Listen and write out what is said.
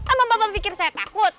emang bapak pikir saya takut